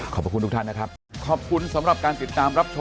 ขอบคุณทุกท่านนะครับ